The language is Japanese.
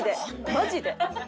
マジで！